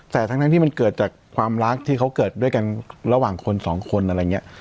แต่ทั้งที่มันเกิดจากความรักที่เขาเกิดด้วยกันระหว่างคนสองคนอะไรอย่างนี้